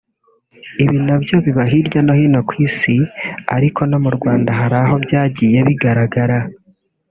Ibi nabyo biba hirya no hino ku isi ariko no mu Rwanda hari aho byagiye bigaragara